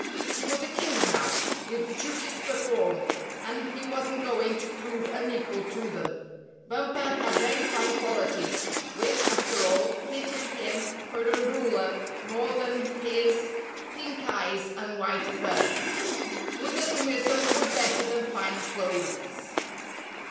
He was a king now, with duties to perform, and he wasn't going to prove unequal to them. Bumper had very fine qualities, which, after all, fitted him for a ruler more than his Rusty Warns Bumper 75 pink eyes and white fur. Goodness and wisdom were better than fine clothes.